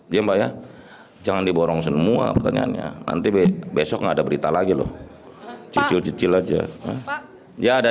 ya mbak ya jangan diborong semua pertanyaannya nanti besok gak ada berita lagi loh cucil cucil aja